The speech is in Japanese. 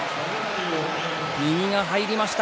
右が入りました